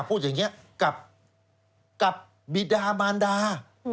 พูดอย่างนี้กับบิดามานดา